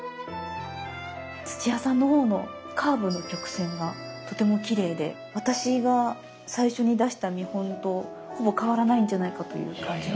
土屋さんのほうのカーブの曲線がとてもきれいで私が最初に出した見本とほぼ変わらないんじゃないかという感じの。